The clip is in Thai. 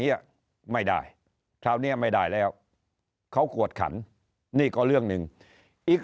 เนี้ยไม่ได้คราวนี้ไม่ได้แล้วเขากวดขันนี่ก็เรื่องหนึ่งอีก